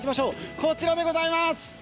こちらでございます。